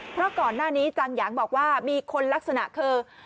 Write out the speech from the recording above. เพราะก่อนหน้านี้จังหยางบอกว่ามีคนลักษณะคือ